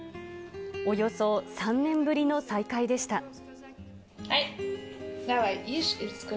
およそ３年ぶりの再会でした。